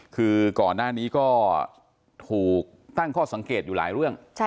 คือก่อนหน้านี้ก็ถูกตั้งข้อสังเกตอยู่หลายเรื่อง